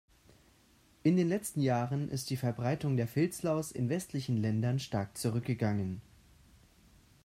In den letzten Jahren ist die Verbreitung der Filzlaus in westlichen Ländern stark zurückgegangen.